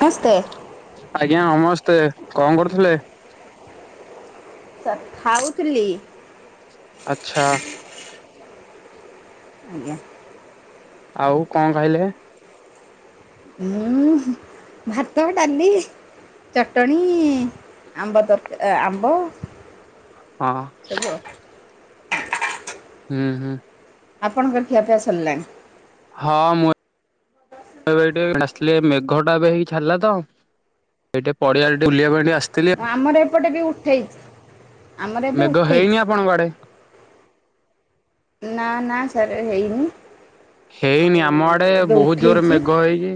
ମସ୍ତେ ଆଜ୍ଞା ନମସ୍ତେ, କଣ କରୁଥିଲେ? ସା ଖାଉଥିଲି। ଆଛା। ଆଜ୍ଞା। ଆଉ କଣ ଖାଇଲେ? ଉଁ ହୁଁ ଭାତ ଡାଲି ଚଟଣି ଆମ୍ବ ତରକା ଏ ଆମ୍ବ। ହଁ। [unintelligible] ହୁଁ ହୁଁ। ଆପଣଙ୍କର ଖିଆପିଆ ସଲାଣି? ହଁ ମୋ ଏ ଏଠି ଆସିଲି ମେଘ ଟା ଏବେ ହେଇ ଛାଡ଼ିଲା ତ। ଏଇଟେ ପଡିଆ ରେ ବୁଲିବା ପାଇଁ ଟିକେ ଆସ୍ ଉଁ ଆମର ଏପଟେ ବି ଉଠାଇଛି ଆମର ଏବେ ଉଠେଇଛି। ପୁଣି କୁଆଡେ? ନା ନା ସିଆଡେ ହେଇନି। ହେଇନି ଆଉ ଆମ ଆଡେ ଏବେ ବହୁତ ଜୋରରେ ଉଠେଇଛି ମେଘ ହେଇଛି।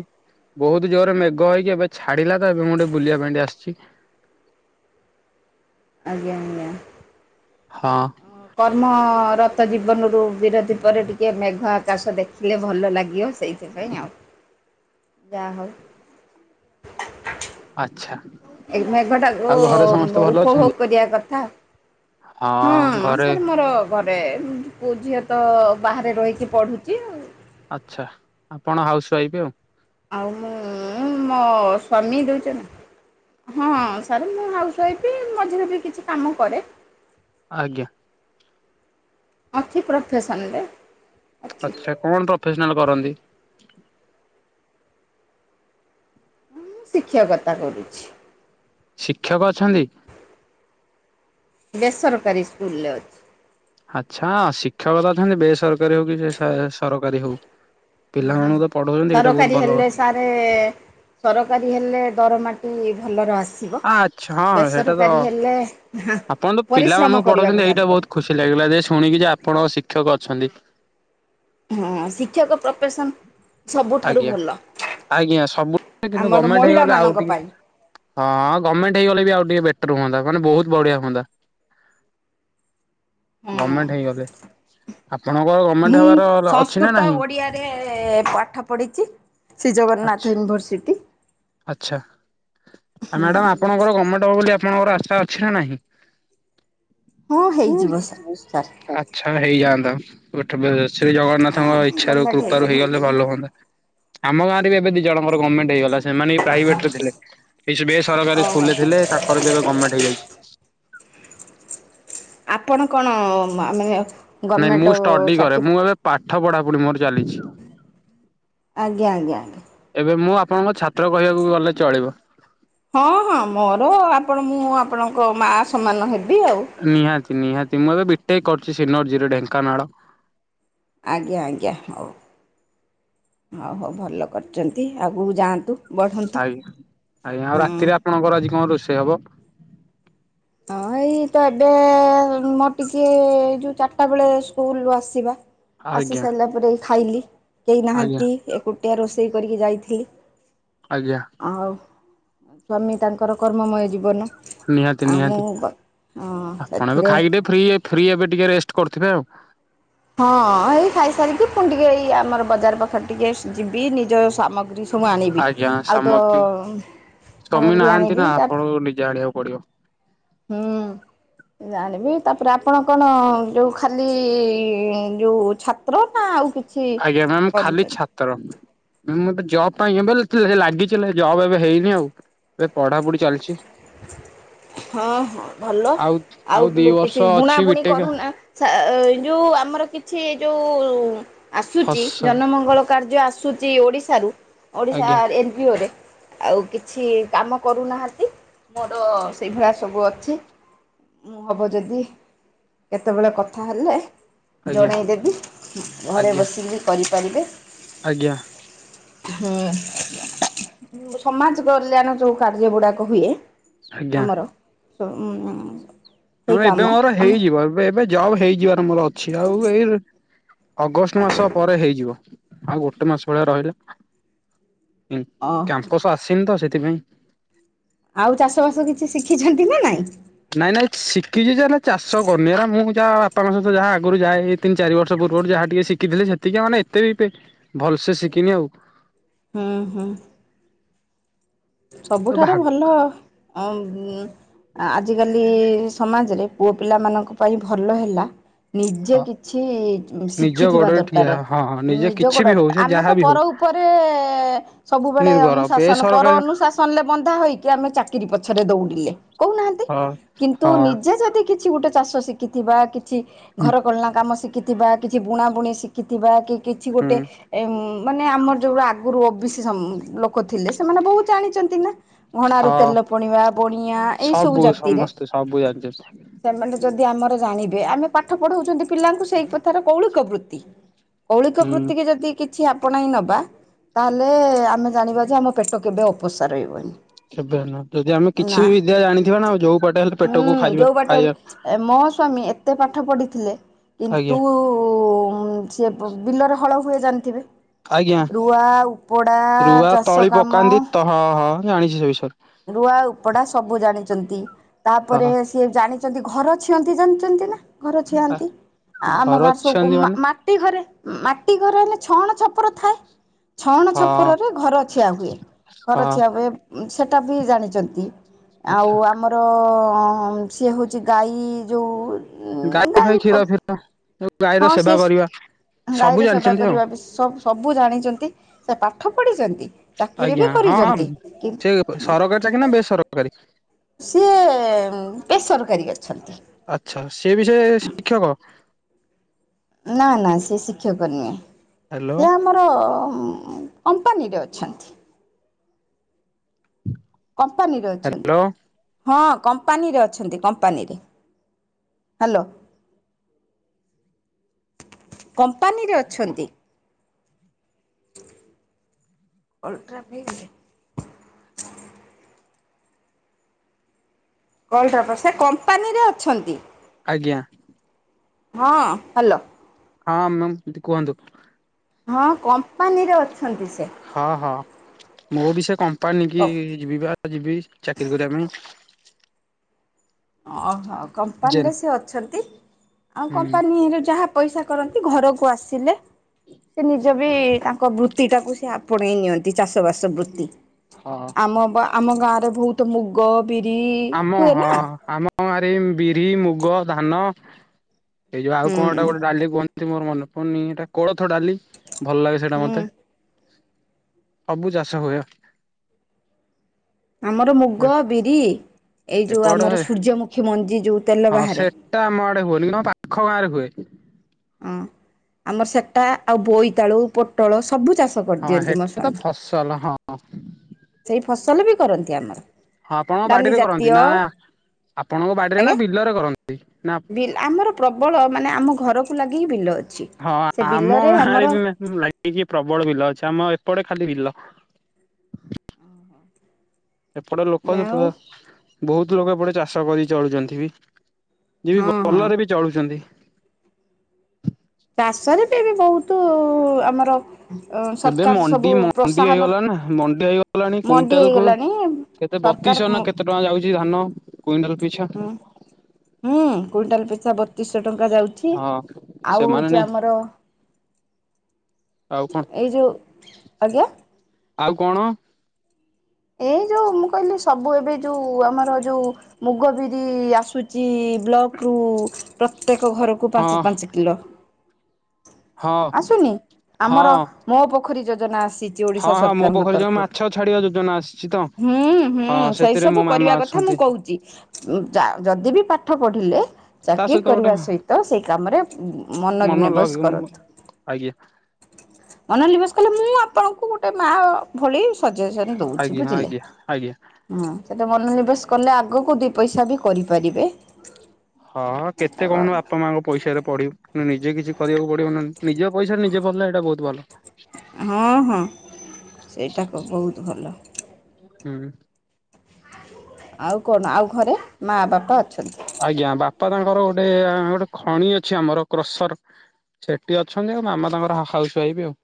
ବହୁତ ଜୋରରେ ମେଘ ହେଇକି ଏବେ ଛାଡିଲା ତ ଏବେ ମୁଁ ଟିକେ ବୁଲିବା ପାଇଁ ଟେ ଆସଛି। ଆଜ୍ଞା ଆଜ୍ଞା। ହଁ। କର୍ମରତ ଜୀବନରୁ ବିରତି ପରେ ଟିକେ ମେଘ ଆକାଶ ଦେଖିଲେ ଭଲ ଲାଗିବ। ସେଇଥି ପାଇଁ ଆଉ। [inaudible] ଯାହା ହଉ। ଆଚ୍ଛା। ଏଇ ମେଘଟାକୁ ଆଉ ଘରେ ସମସ୍ତେ ବ ଭଲ ଉପଭୋଗ ଅଛନ୍ତି? କରିବା କଥା। ହଁ ସାର୍ ମୋର ଘରେ ପୁ ଝିଅ ତ ବାହାରେ ରହିକି ପଢ଼ୁଛି ଆଉ। ଆଚ୍ଛା ଆପଣ ଆଉ ଶୋଇବେ ଆଉ। ଆଉ ମୁଁ ମୋ ସ୍ଵାମୀ ଦୁଇଛନ। ହଁ ସାର୍ ମୁଁ ହାଉସ ୱାଇଫ୍ ମ ଝିଅ ବି କିଛି କାମ କରେ। ଆଜ୍ଞା। ଅଛି ପ୍ରଫେସନରେ। ଅଛି ଆଚ୍ଛା କଣ ପ୍ରଫେସନାଲ କରନ୍ତି? ମୁଁ ଶିକ୍ଷକତା କରୁଛି। ଶିକ୍ଷକ ଅଛନ୍ତି? ବେସରକାରୀ ସ୍କୁଲରେ ଅଛି। ଆଚ୍ଛା ଶିକ୍ଷକତଅଛନ୍ତି ବେସରକାରୀ ହଉ କି ସେ ସ ସରକାରୀ ହଉ। ପିଲାମାନଙ୍କୁ ତ ପଢଉଛନ୍ତି ହେଇଟା ବହୁତ ଭଲ। ଏବେ ସରକାରୀ ହେଲେ ଦରମାଟି ଭଲରେ ଆସେ। ଆସିବ ଆଚ୍ଛା ହଁ ସେଇଟା ତ ବେସରକାରୀ ହେଲେ ଆପଣ ତ ପରିଶ୍ରମ ପିଲାମାନଙ୍କୁ ପଢଉଛନ୍ତି କରିବାକୁ ଏଇଟା ସାର ପଡେ। ବହୁତ ଖୁସି ଲାଗିଲା ଯେ ଶୁଣିକି ଯେ ଆପଣ ଶିକ୍ଷକ ଅଛନ୍ତି। ହଁ ଶିକ୍ଷକ ପ୍ରପେସନ୍। ଆଜ୍ଞା, ଆଜ୍ଞା ସବୁ ଠିକ କିନ୍ତୁ ଆମର ଗର୍ମେଣ୍ଟ ହେଇଗଲେ ଆଉ ମହିଳାମାନଙ୍କ ଟିକେ ପାଇଁ ହଁ ଗର୍ମେଣ୍ଟ ହେଇଗଲେ ବି ଆଉ ଟିକେ ବେଟର ହୁଅନ୍ତା ମାନେ ବହୁତ୍ ବଢିଆ ହୁଅନ୍ତା। ହୁଁ ଗର୍ମେଣ୍ଟ ହେଇଗଲେ, ଆପଣଙ୍କ ଗମେଣ୍ଟ ହବାର ର ଅଛି ନା ନାହିଁ। ଏ ତେ ପାଠ ପଢିଚି। ଆଚ୍ଛା, ଆଚ୍ଛା ଆ ମ୍ୟାଡାମ ଆପଣଙ୍କର ଗର୍ମେଣ୍ଟ ହବ ବୋଲି ଆପଣଙ୍କ ଆଶା ଅଛି ନାଁ ନାହିଁ, ହଁ ହେଇଯିବ ସାର୍ [unintelligible] ସାର୍। ଆ ଆଚ୍ଛା ହେଇଯାଆନ୍ତା ଗୋଟେ ପେ ଶ୍ରୀ ଜଗନ୍ନାଥଙ୍କ ହଁ ଇଚ୍ଛାରୁ ଗଭର୍ଣ୍ଣମେଣ୍ଟ କୃପାରୁ ହେଇଯିବ। ହେଇଗଲେ ଭଲ ହୁଅନ୍ତା, ଆମ ଗାଁରେ ବି ଏବେ ଦି ଜଣଙ୍କର ଗର୍ମେଣ୍ଟ ହେଇଗଲା। ସେ ସେମାନେ ବି ପ୍ରାଇଭେଟ ରେ ଥିଲେ ଏଯୋଉ ବେସରକାରୀ ସ୍କୁଲ ରେ ଥିଲେ ତାଙ୍କର ବି ଏବେ ଗର୍ମେଣ୍ଟ ହେଇଯାଇଛି। ଆପଣ କଣ ମାନେ ଏ ନାଇଁ ମୁଁ ଷ୍ଟଡି କରେ ମୁଁ ଏବେ ପାଠ ପଢାପଢି ମୋର ଚାଲିଛି। ଆଜ୍ଞା, ଆଜ୍ଞା, ଆଜ୍ଞା। ଏବେ ମୁଁ ଆପଣଙ୍କ ଛାତ୍ର କହିବାକୁ ଗଲେ ଚଳିବ। ହଁ ହଁ ମୋର ଆପଣ ମୁଁ ଆପଣଙ୍କ ମାଆ ସମାନ ହେବି ଆଉ। ନିହାତି ନିହାତି ମୁଁ ଏବେ ବିଟେକ୍ କରୁଛି ସିିନୋରଜିରେ ଢ଼େଙ୍କାନାଳ ଆଜ୍ଞା, ଆଜ୍ଞା ହଉ ଅ ହଉ ଭଲ କରିଚନ୍ତି ଆଗକୁ ଯାଆନ୍ତୁ। ବଢ଼ନ୍ତୁ ଆଜ୍ଞା, ଆଜ୍ଞା ଆଉ ହୁଁ। ରାତିରେ ଆପଣଙ୍କର ଆଜି କଣ ରୋଷେଇ ହବ? ହଁ ଏଇ ଏଇ ତ ଏବେ ମୋର ଟିକେ ଯୋଉ ଚାରିଟା ବେଳେ ସ୍କୁଲୁରୁ ଆସିବା। ଆସି ଆଜ୍ଞା ସାରିଲା ପରେ ଖାଇଲି କେହି ଆଜ୍ଞା ନାହାନ୍ତି ଏକୁଟିଆ ରୋଷେଇ କରିକି ଯାଇଥିଲି। ଆଜ୍ଞା। ଆଉ ସ୍ୱାମୀ ତାଙ୍କର କର୍ମମୟ ଜୀବନ ନିହାତି ଆଉ ମୁଁ ନିହାତି ହଁ ଆପଣ ଏବେ ସେଥିରେ ଖାଇକି ଟିକେ ଫ୍ରି ଫ୍ରି ଏବେ ଟିକେ ରେଷ୍ଟ କରୁଥିବେ ଆଉ। ହଁ ଏଇ ଖାଇସାରିକି ପୁଣି ଟିକେ ଏଇ ଆମର ବଜାର ପାଖରେ ଟିକେ ଯିବି ନିଜର ସାମଗ୍ରୀ ସବୁ ଆଣିବି ଆଜ୍ଞା ଆଉ ତ ସାମଗ୍ରୀ ସ୍ୱାମୀ ସାମଗ୍ରୀ ନାହାନ୍ତି ନା ଆଣିବି ତା ଆପଣଙ୍କୁ ନିଜେ ଆଣିବାକୁ ପଡିବ। ହୁଁ। ଜାଣିବି ତାପରେ ଆପଣ କଣ ଯୋଉ ଖାଲି ଯୋଉ ଛାତ୍ର ନା ଆଉ କିଛି ଆଜ୍ଞା ମ୍ୟାମ ଖାଲି କରୁଛନ୍ତି? ଛାତ ତ୍ର ମ୍ୟାମ୍ ମତେ ଜବ ପାଇଁ ଏବୋ ଲାଗିଚି ହେଲେ ଜବ ଏବେ ହେଇନି ଆଉ ଏବେ ପଢାପଢି ଚାଲିଛି। ହଁ ହଁ ଭଲ ଆଉ ଆଉ ଦି ବୁ ବର୍ଷ କିଛି ବୁଣା ଅଛି ବୁଣି ବିଟେକ୍ କରୁନା। ଏ ଯୋଉ ଆମର କିଛି ଏ ଯୋଉ ଆସୁଚି ଫସ ଜନମଙ୍ଗଳ କାର୍ଯ୍ୟ ଆସୁ ଆସୁଛି ଓଡ଼ିଶାରୁ ଓଡ଼ିଶା ଆଜ୍ଞା ଏନ୍ ଜି ଓ ରେ ଆଉ କିଛି କାମ କରୁନାହାଁନ୍ତି। ମୋର ସେଇଭଳିଆ ସବୁ ଅଛି। ମୁଁ ହବ ଯଦି କେତେବେଳେ କଥା ହେଲେ ଆଜ୍ଞା ଜଣେଇଦେବି ଘରେ ଆଜ୍ଞା ବସି କି କରିପାରିବେ। ଆଜ୍ଞା। ହୁଁ ଯୋଉ ସମାଜ କଲ୍ୟାଣ ଯୋଉ କାର୍ଯ୍ୟ ଗୁଡାକ ହୁଏ ଆଜ୍ଞା। ଆମର ସମୁ ହଁ ଏବେ ମୋର ହେଇଯିବ ଏବେ ଏବେ ଜବ ହେଇଯିବାର ମୋର ଅଛି ଆଉ ଏଇ ଅଗଷ୍ଟ ମାସ ପରେ ହେଇଯିବ ଆଉ ଗୋଟେ ମାସ ଭଳିଆ ରହିଲା। ହୁଁ ଓହୋ। କ୍ୟାମ୍ପସ ଆସିନି ତ ସେଥିପାଇଁ ଆଉ ଚାଷ ବାସ କିଛି ଶିଖିଛନ୍ତି ନା ନାଇଁ। ନାଇଁ ନାଇଁ ଶିଖିଛି ଯେ ହେଲେ ଚାଷ କରନି ଏରା ମୁଁ ଯାହା ବାପାଙ୍କ ସହିତ ଯାହା ଆଗରୁ ଯାଏ। ତିନି ଚାରି ବର୍ଷ ପୂର୍ବରୁ ଯାହା ଟିକେ ଶିଖିଥିଲେ ସେତିକି ମାନେ ଏତେ ବି ଭଲସେ ଶିଖିନି ଆଉ। ହୁଁ ହୁଁ। ତ ଭା ସବୁଠାରୁ ଭଲ ଅଁ ଉଁ ଆଜିକାଲି ସମାଜରେ ପୁଅ ପିଲାମାନଙ୍କ ପାଇଁ ଭଲ ହେଲା ନିଜେ ହଁ କିଛି ନିଜ ଶିଖିଥିବା ଗୋଡରେ ଠିଆ ଦରକାର ହଁ ହଁ ନିଜେ ନିଜ କିଛି ବି ଗୋଡର ହଉ ସେ ଆମେ ଯାହା ତ ବି ପର ହଉ ଉପ ପରେ ସବୁବେଳେ ନିର୍ଭର ଅନୁଶାସନ ପର ବେସରକାରୀ ଅନୁ ଶାସନରେ ବନ୍ଧା ହୋଇକି ଆମେ ଚାକିରି ପଛରେ ଦଉଡିଲେ କହୁନାହାନ୍ତି ହଁ କିନ୍ତୁ ହଁ ନିଜେ ଯଦି କି ଛି ଗୋଟେ ଚାଷ ଶିଖିଥିବା କିଛି ହୁଁ ଘରକଲନା କାମ ଶିକି ଥିବା କିଛି ବୁଣା ବୁଣି ଶିଖିଥିବା କି କିଛି ହୁଁ ଗୋଟେ ଏ ମାନେ ଆମର ଯୋଉ ଆଗରୁ ଓ ବି ସି ଲୋକ ଥିଲେ ସେମାନେ ବହୁତ ଜାଣିଛନ୍ତି ନା। ଘଣାରୁ ହଁ ତେଲ ପଣିବା ବଣିଆ ଏଇ ସବୁ ଜାତିରେ। ସମସ୍ତେ ସବୁ ଜାଣିଛନ୍ତି ସେମାନେ ଯଦି ଆମର ଜାଣିବେ ଆମେ ପାଠ ପଢଉଛନ୍ତି ପିଲାଙ୍କୁ ସେଇ କଥାର କୌଳିକ ବୃତ୍ତି। କୌଳିକ ହୁଁ ବୃତ୍ତିକି ଯଦି କିଛି ଆପଣେଇ ନବା ତାହେଲେ ଆମେ ଜାଣିବା ଯେ ଆମ ପେଟ କେବେ ଅ ପୋଷା ରହିବନି। କେବେ ନୁହେଁ ଯଦି ଆମେ କିଛି ନା ବିଦ୍ୟା ଜାଣିଥିବାନା ଯୋଉ ପଟେ ହେଲେ ପେଟକୁ ହୁଁ ଖାଇବା ଯୋଉ ବାଟ ଖାଇବା ମୋ ସ୍ୱାମୀ ଏତେ ପାଠ ପଢ଼ିଥିଲେ ଆଜ୍ଞା କିନ୍ତୁ ଉ ସିଏ ବିଲରେ ହଳ ହୁଏ ଜାଣିଥିବେ। ଆଜ୍ଞା ରୁଆ ଉପଡ଼ା ରୁଆ ଚାଷ ତଳି କାମ। ପକାନ୍ତି ତ ହଁ ହଁ ଜାଣିଛି ସେ ବିଷୟରେ। ରୁଆ ଉପଡ଼ା ସବୁ ଜାଣିଛନ୍ତି ତାପରେ ହଁ ସିଏ ଜାଣିଛନ୍ତି ଘର ଛିଅନ୍ତି ଜାଣିଛନ୍ତି ନା ଘର ଛିଆନ୍ତି। ଆ ଆମ ଘର ଗାଁରେ ସବୁ ଅଛନ୍ତି ମାନେ ମାଟି ଘରେ ମାଟି ଘରେ ହେଲେ ଛଣ ଛପର ଥାଏ। ଛଅଣ ହଁ ଛପରରେ ଘର ଛିିଆ ହୁଏ, ହଁ ଘର ଛିିଆ ହୁଏ ସେଟା ବି ଜାଣିଚନ୍ତି, ଆଉ ଆଚ୍ଛା ଆମ ତ‌ ସେ ହେଉଚି ଗାଈ ଯୋଉ ଗାଈ ପାଇଁ କ୍ଷୀର ଫିର, ତେଣୁ ହଁ ଗାଈର ସିଏ ସେବା କରିବା। ସବୁ ଗାଈର ସେବା ଜାଣିଛନ୍ତି ଆଉ କରିବା ସ ସ ସବୁ ଜାଣିଚନ୍ତି, ସେ ପାଠ ପଢିଚନ୍ତି? ଆଜ୍ଞା ହଁ ହଁ, ସେ ସରକାରୀ ଚାକିରି ନା, ବେସରକାରୀ? ସିଏ ବେସରକାରୀ କରିଛନ୍ତି। ଆଛା, ସିଏବି ସେଇ ଶିକ୍ଷକ? ନାଇଁ ନାଇଁ ସେ ଶିକ୍ଷକ ନୁହେଁ। ହାଲୋ। ସେ ଆମର କମ୍ପାନୀରେ ଅଛନ୍ତି। କମ୍ପାନୀରେ ଅଛନ୍ତି। ହ୍ୟାଲୋ ହଁ କମ୍ପାନୀରେ ଅଛନ୍ତି, କମ୍ପାନୀରେ, ହାଲୋ। କମ୍ପାନୀରେ ଅଛନ୍ତି। ଓଲଟ୍ରା ଫେଜ୍ ରେ? କଲ୍ ଟାଟା, ସେ କମ୍ପାନୀରେ ଅଛନ୍ତି? ଆଜ୍ଞା। ହଁ, ହାଲୋ। ହଁ ମ୍ୟାମ୍ କିତି କୁହନ୍ତୁ? ହଁ, କମ୍ପାନୀରେ ଅଛନ୍ତି ସେ। ହଁ ହଁ, ମୁଁ ବି ସେ କମ୍ପାନୀ କି ଯିବି ପରା ଯିବି, ଚାକିରି କରିବା ପାଇଁ। ଓହୋ, ଜେନ୍ କମ୍ପାନୀରେ ସେ ଅଛନ୍ତି, ଆଉ ହୁଁ କମ୍ପାନୀରେ ଯାହା ପଇସା କରନ୍ତି, ଘରକୁ ଆସିଲେ ସେ ନିଜେ ବି ତାଙ୍କ ବୃତ୍ତି ଟାକୁ ସେ ଆପଣେଇ ନିଅନ୍ତି, ଚାଷ ବାସ ବୃତ୍ତି। ହଁ। ଆମ ପା, ଆମ ଗାଁରେ ବହୁତ୍ ମୁଗ ବିରି ଆମ ହୁଏ ହଁ ନା? ଆମ ଗାଁ ରେ, ବିରି, ମୁଗ, ଧାନ, ଏଇ ଯୋଉ ଆଉ କଣ ହୁଁ ଗୋଟେ ଡାଲି କୁହନ୍ ମୋର ମନେ ପଡୁନି, ଏଟା କୋଳଥ ଡାଲି, ଭଲ ଲାଗେ ସେଇଟା ହୁଁ ମତେ। ସବୁ ଚାଷ ହୁଏ। ଆମର ଏ ମୁଗ, ବିରି, ଏଇ ଯୋଉ ଏପଟ ଆମର ସୂର୍ଯ୍ୟମୁଖୀ ମଞ୍ଜି, ଯୋଉ ତେଲ ହଁ ବାହାରେ? ସେଟା ଆମ ଆଡେ ହୁଏନି କିନ୍ତୁ ଆମ ପାଖ ଗାଁ ରେ ହୁଏ। ହଁ, ଆମର ସେଟା ଆଉ ବୋଇତାଳୁ ପୋଟଳ ସବୁ ଚାଷ ହଁ କରିଦିଅନ୍ତି ମୋ ହେଟା ତ ସ୍ୱାମୀ। ଫସଲ, ହଁ ସେଇ ଫସଲ ବି କରନ୍ତି ଆମର। ହଁ, ଆପଣଙ୍କ ଡାଲି ବାଡିରେ ଜାତୀୟ କରନ୍ତି, ନା ଆଜ୍ଞା। ଆପଣଙ୍କ ବାଡିରେ ନା ବିଲରେ କରନ୍ତି? ନା ବି ଆମର ପ୍ରବଳ ମାନେ, ଆମ ଘରକୁ ଲାଗିକି ବିଲ ଅଛି। ହଁ ସେ ଆମ ବିଲରେ ଆମର ଗାଁରେ ବି ଲାଗିକି ପ୍ରବଳ ବିଲ ଅଛି, ଆମ ଏପଟେ ଖାଲି ବିଲ। ଏପଟେ ଲୋକ ବ ଆଉ ବହୁତ ଲୋକ ଏପଟେ ଚାଷ କରି ଚଳୁଚନ୍ତି ବି ଯିଏ ହଁ ବି ହଁ। ଭଲରେ ବି ଚଳୁଚନ୍ତି୍। ଚାଷରେ ବି, ବହୁତ ଆମର ଏବେ ସରକାର ସବୁ ମଣ୍ଡି ମଣ୍ଡି ପ୍ରୋତ୍ସାହନ ହେଇଗଲାଣି ନା, ମଣ୍ଡି ହେଇଗଲାଣି ମଣ୍ଡି କୁଇଣ୍ଟାଲ୍ କୁ ହେଇଗଲାଣି କେତେ ସରକାର ବତିଶ ହୁଁ ନା କେତେ ଟଙ୍କା ଯାଉଚି ଧାନ, କୁଇଣ୍ଟାଲ୍ ପିଛା ହୁଁ, କୁଇଣ୍ଟାଲ୍ ପିଛା ବତିଶହ ଟଙ୍କା ଯାଉ ଚି, ହଁ ଆଉ ସେମାନେ ହଉଚି ନାଇଁ ଆମର ଆଉ କଣ, ଏଇ ଯୋଉ ଆଜ୍ଞା ଆଉ କଣ? ଏଇ ଯୋଉ ମୁଁ କହିଲି ସବୁ ଏବେ ଯୋଉ ଆମର ଯୋଉ ମୁଗ ବିରି ଆସୁଚି ବ୍ଲକ୍ ରୁ ପ୍ରତ୍ୟେକ ଘରକୁ ହଁ ପାଞ୍ଚ ପାଞ୍ଚ କିଲୋ। ହଁ ଆସୁନି ଆମର ହଁ। ମୋ ପୋଖରୀ ଯୋଜନା ଆସି ହଁ ଓଡିଶା ହଁ ମୋ ସରକାରଙ୍କ ପୋଖରୀ ଯୋଉ ତରଫରୁ ମାଛ ଛାଡିବା ଯୋଜନା ଆସିଛି ତ ହୁଁ ହଁ ହୁଁ ସେଇ ସେଥିରେ ମୋ ସବୁ ମାମା କରିବା କ କଥା ମୁଁ ଅଛନ୍ତି। କହୁଛି ଯଦି ବି ପାଠ ପଢିଲେ ତା ଚାକିରି ସହିତ ଗୋଟେ କରିବା ସହିତ ସେଇ କାମରେ ମନ ମନରୁ ଲଗ ନିବେଶ କରନ୍ତୁ। ଆଜ୍ଞା। ମନ ନିବେଶ କଲେ ମୁଁ ଆପଣଙ୍କୁ ଗୋଟେ ମା ଭଳି ସଜେସନ ଦେଉଛି ଆଜ୍ଞା ବୁଝିଲେ। ଆଜ୍ଞା ଆଜ୍ଞା। ହୁଁ ସେଟା ମନୋନିବେଶ କଲେ ଆଗକୁ ଦି ପଇସା ବି କରିପାରିବେ। ହଁ କେତେ କହୁନୁ ଆ ବାପା ମାଆଙ୍କ ପଇସାରେ ପଢିବ କି ନିଜେ କିଛି କରିବାକୁ ପଡିବ ନା ନିଜ ପଇସାରେ ନିଜେ ପଢ଼ିଲେ ଏଇଟା ବହୁତ ଭଲ। ହଁ ହଁ ସେଇଟାକ ବହୁତ ଭଲ। ହୁଁ। ଆଉ କଣ ଆଉ ଘରେ ମା ବାପା ଅଛନ୍ତି। ଆଜ୍ଞା ବାପା ତାଙ୍କର ଗୋଟେ ଗୋଟେ ଖଣି ଅଛି ଆମର କ୍ରସର ସେଠି ଅଛନ୍ତି ଆଉ ମାମା ତାଙ୍କର ହାଉସ୍ ୱାଇଫ୍ ଆଉ।